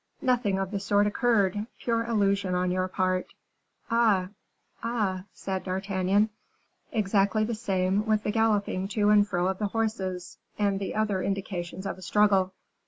Nothing of the sort occurred; pure illusion on your part." "Ah! ah!" said D'Artagnan. "Exactly the same thing with the galloping to and fro of the horses, and the other indications of a struggle.